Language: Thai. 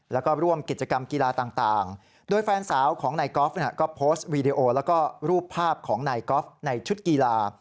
แล้วก็ร่วมกิจกรรมกีฬาต่างโดยแฟนสาวของนายกอล์ฟก็โพสต์วีดีโอแล้วก็รูปภาพของนายกอล์ฟในชุดกีฬา